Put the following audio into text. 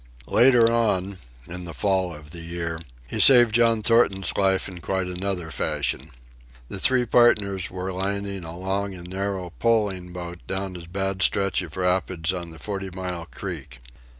Later on, in the fall of the year, he saved John Thornton's life in quite another fashion. The three partners were lining a long and narrow poling boat down a bad stretch of rapids on the Forty Mile Creek.